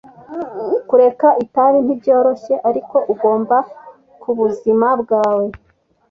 Kureka itabi ntibyoroshye, ariko ugomba kubuzima bwawe.